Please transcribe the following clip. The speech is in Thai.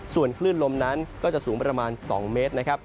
ส่วนคลื่นลมนั้นก็จะสูงประมาณ๒เมตรนะครับ